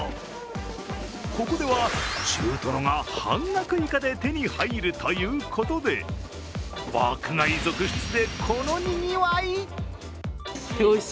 ここでは、中トロが半額以下で手に入るということで爆買い続出でこの賑わい。